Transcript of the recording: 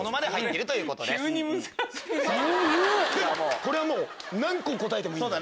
これは何個答えてもいいので。